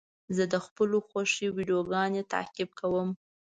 زه د خپلو خوښې ویډیوګانو تعقیب کوم.